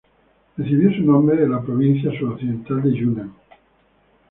Recibió su nombre de la provincia suroccidental de Yunnan.